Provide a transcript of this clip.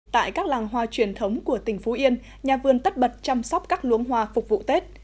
tại các làng hoa truyền thống của tỉnh phú yên nhà vườn tất bật chăm sóc các luống hoa phục vụ tết